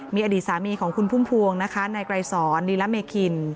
มีอดีตสามีของคุณพุ่มพวงนะคะนายไกรสอนดีละเมคิน